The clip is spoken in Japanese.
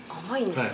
はい。